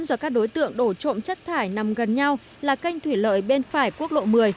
ô nhiễm do các đối tượng đổ trộm chất thải nằm gần nhau là canh thủy lợi bên phải quốc lộ một mươi